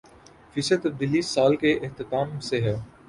فیصد تبدیلی سال کے اختتام سے ہے